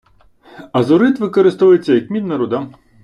Азурит використовується як мідна руда